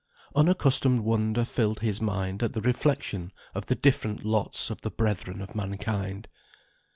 Unaccustomed wonder filled his mind at the reflection of the different lots of the brethren of mankind.